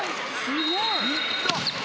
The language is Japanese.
すごい！